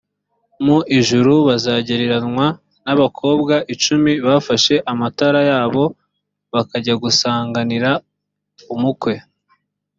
mu ijuru buzagereranywa n’abakobwa icumi bafashe amatara yabo bakajya gusanganira umukwe